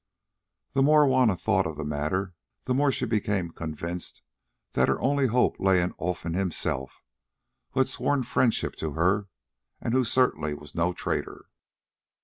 The more Juanna thought of the matter, the more she became convinced that her only hope lay in Olfan himself, who had sworn friendship to her, and who certainly was no traitor.